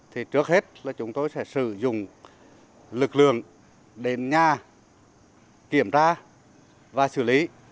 thì trước hết là chúng tôi sẽ sử dụng lực lượng đến nhà kiểm tra và xử lý